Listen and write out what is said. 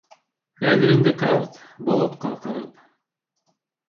Хәҙер инде ҡарт, болотҡа ҡарап: